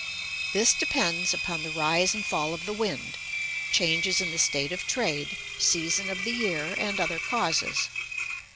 This depends upon the rise and fall of the wind, changes in the state of trade, season of the year, and other causes.